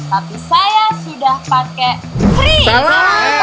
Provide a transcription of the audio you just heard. tapi saya sudah pakai free